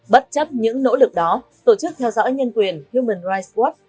bất chấp những nỗ lực đó tổ chức theo dõi nhân quyền human rights watt